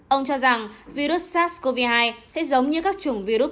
ông cho rằng virus sars cov hai sẽ giống như các chủng virus